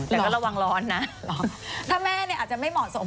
แล้วก็ระวังร้อนนะร้อนถ้าแม่เนี่ยอาจจะไม่เหมาะสม